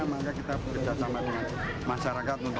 maka kita bekerja sama dengan masyarakat